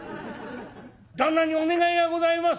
「旦那にお願いがございます」。